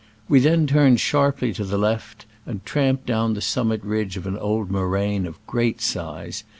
We then turned sharply to the left, and tramped down the summit ridge of an old moraine of great size.